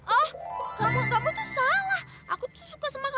ah kamu tuh salah aku tuh suka sama kamu